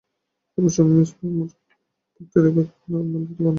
অবশ্য আমি মিস ফার্মারকে তাঁর বক্তৃতার বিজ্ঞাপনে আমার নাম দিতে মানা করব।